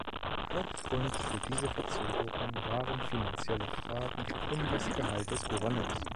Hauptgrund für diese Verzögerung waren finanzielle Fragen um das Gehalt des Gouverneurs.